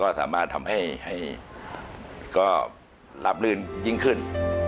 ก็สามารถทำให้ก็หลาบลื่นยิ่งขึ้น